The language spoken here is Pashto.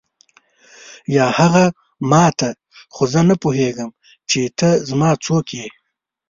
یا هغه ما ته خو زه نه پوهېږم چې ته زما څوک یې.